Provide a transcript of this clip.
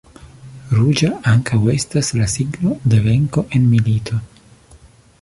Ruĝa ankaŭ estas la signo de venko en milito.